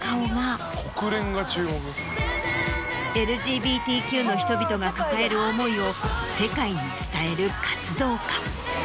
ＬＧＢＴＱの人々が抱える思いを世界に伝える活動家。